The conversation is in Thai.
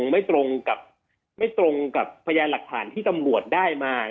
ไม่ตรงกับพยายามหลักฐานที่สำรวจได้มานะครับ